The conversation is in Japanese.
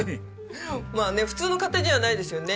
まあね普通の家庭にはないですよね。